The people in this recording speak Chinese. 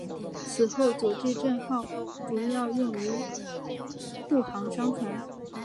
此后佐治镇号主要用作护航商船。